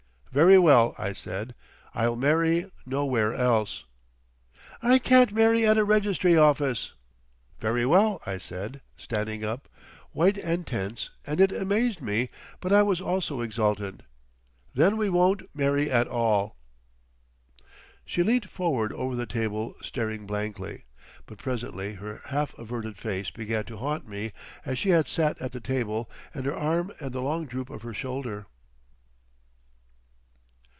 "Very well," I said. "I'll marry nowhere else." "I can't marry at a registry office." "Very well," I said, standing up, white and tense and it amazed me, but I was also exultant; "then we won't marry at all." She leant forward over the table, staring blankly. But presently her half averted face began to haunt me as she had sat at the table, and her arm and the long droop of her shoulder.